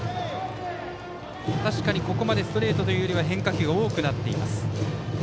確かに、ここまでストレートというより変化球が多くなっています。